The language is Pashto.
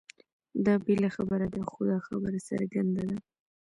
دا بېله خبره ده؛ خو دا خبره څرګنده ده،